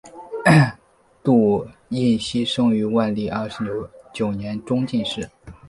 堵胤锡生于万历二十九年中进士。